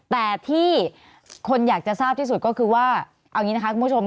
แต่ที่คนอยากจะทราบที่สุดก็คือว่าเอาอย่างนี้นะคะคุณผู้ชม